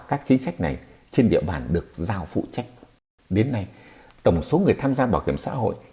các chính sách này trên địa bàn được giao phụ trách đến nay tổng số người tham gia bảo hiểm xã hội